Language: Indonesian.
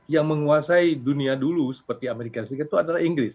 yang menguasai dunia dulu seperti amerika serikat itu adalah inggris